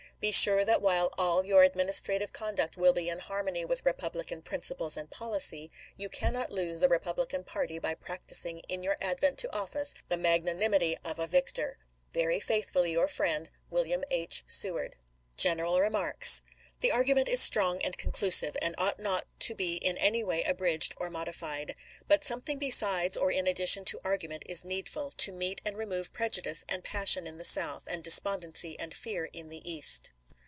Be sure that while all your administrative conduct will be in harmony with Repub lican principles and policy, you cannot lose the Repub lican party by practicing in your advent to office the magnanimity of a victor. Very faithfully your friend, [Wm. H. Seward.] The Honorable Abraham Lincoln. HANNIBAL HAMLIN. LINCOLN'S INAUGUKATION 321 General Remarks : chap. xxi. The argument is strong and conclusive, and ought not to be in any way abridged or modified. But something besides or in addition to argument is needful — to meet and remove prejudice and passion in the South, and despondency and fear in the East.